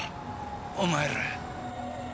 お前ら。